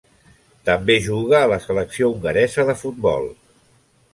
També juga a la selecció hongaresa de futbol.